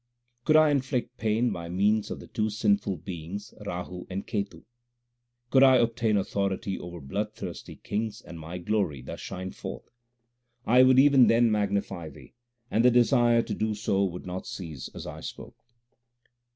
Could I inflict pain by means of the two sinful beings Rahu and Ketu ; l Could I obtain authority over bloodthirsty kings and my glory thus shine forth, I would even then magnify Thee, and the desire to do so would not cease as I spoke.